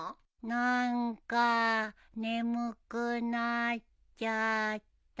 なんか眠くなっちゃった。